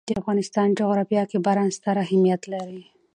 د افغانستان جغرافیه کې باران ستر اهمیت لري.